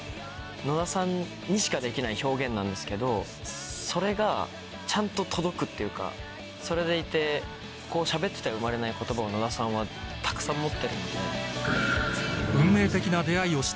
野田さんにしかできない表現なんですけどそれがちゃんと届くっていうかそれでいて喋ってて生まれない言葉を野田さんはたくさん持ってるんで。